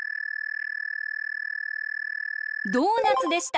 ドーナツでした！